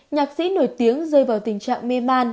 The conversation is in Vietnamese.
nhạc sĩ nổi tiếng rơi vào tình trạng mê man